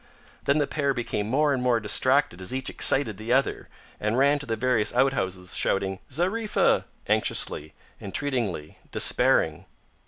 Then the pair became more and more distracted as each excited the other, and ran to the various outhouses shouting, "Zariffa!" anxiously, entreatingly, despairing.